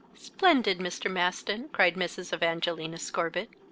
"Splendid, Mr. Maston!" cried Mrs. Evangelina Scorbitt.